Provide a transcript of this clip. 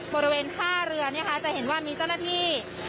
บริเวณท่าเรือจะเห็นว่ามีเจ้าหน้าที่